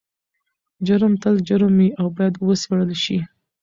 جرم تل جرم وي او باید وڅیړل شي.